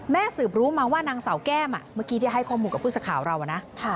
สืบรู้มาว่านางสาวแก้มเมื่อกี้ที่ให้ข้อมูลกับผู้สื่อข่าวเรานะ